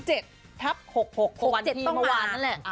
เจ้าเบียนมาแปลก